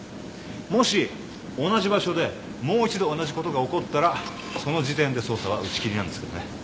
もし同じ場所でもう一度同じことが起こったらその時点で捜査は打ち切りなんですけどね。